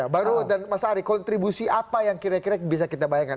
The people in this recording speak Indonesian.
bang ruhut dan mas ari kontribusi apa yang kira kira bisa kita bayangkan